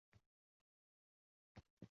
Yelkalaridagi yukni ololmaganingiz qiziq.